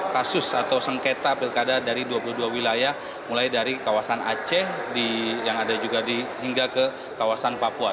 kasus atau sengketa pilkada dari dua puluh dua wilayah mulai dari kawasan aceh yang ada juga hingga ke kawasan papua